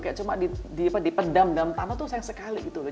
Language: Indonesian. kayak cuma dipedam dalam tanah tuh sayang sekali gitu loh